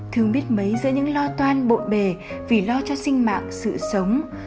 thường biết mấy giữa những lo toan bộn bề vì lo cho sinh mạng sự sống